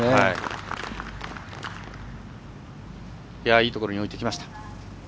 いいところに置いてきました。